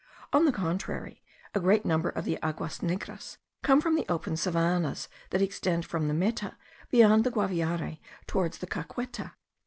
On the contrary, a great number of the aguas negras come from the open savannahs that extend from the Meta beyond the Guaviare towards the Caqueta.